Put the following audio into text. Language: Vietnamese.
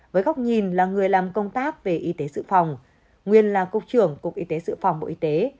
với góc nhìn là người làm công tác về y tế sự phòng nguyên là cục trưởng cục y tế sự phòng bộ y tế